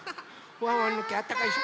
ワンワンのけあったかいでしょ。